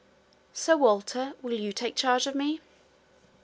Sir Walter, will you take charge of me?'